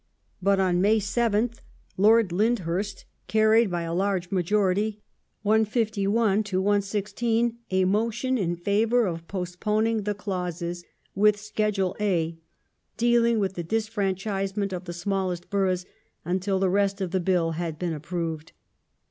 But on May 7th Lord Lyndhurst carried by a large majority (151 to 116) a motion in favour of postponing the clauses (with Schedule A) dealing with the disfranchisement of the smallest boroughs, until the rest of the Bill had been aj^proved.